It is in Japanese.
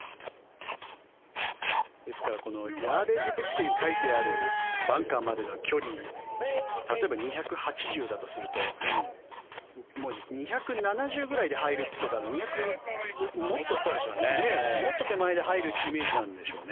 ですからヤーデージブックに書いてあるバンカーまでの距離例えば２８０だとするともう２７０ぐらいで入るとかもっと手前で入るイメージなんでしょうね。